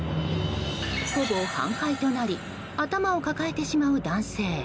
ほぼ半壊となり頭を抱えてしまう男性。